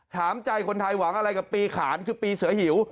ถามใจคนไทยหวังอะไรกับปีขานคือปีเสือหิว